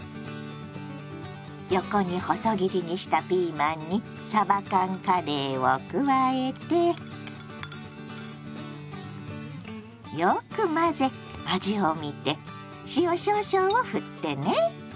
横に細切りにしたピーマンにさば缶カレーを加えてよく混ぜ味を見て塩少々をふってね。